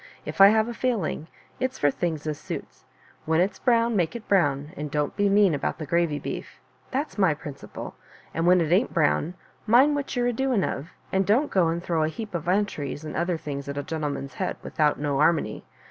" If I have a failing, it*s for things as suits. When it's brown, make it brown, and don't be mean about the g^vy beef — that's my prin ciple; and when it ain't brown, mind what you're a doing of — and don't go and throw a heap of entrys and things at a gentleman's head without no'armony.